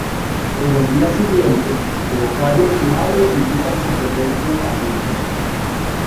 En los días siguientes, Leocadia y su madre visitan con frecuencia a Luis.